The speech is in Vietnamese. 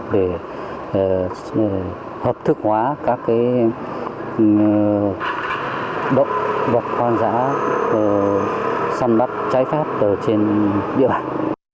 để hợp thức hóa các động vật hoang dã săn bắt trái phép trên địa bàn